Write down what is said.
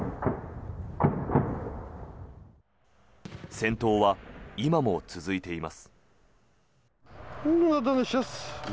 戦闘は今も続いています。